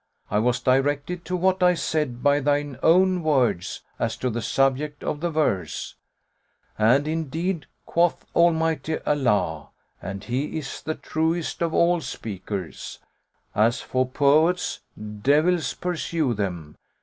I was directed to what I said by thine own words as to the subject of the verse; and indeed quoth Almighty Allah (and He is the truest of all speakers): As for poets (devils pursue them!)